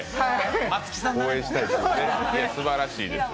すばらしいです。